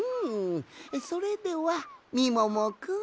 それではみももくん。